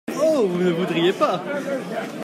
Oh ! vous ne voudriez pas !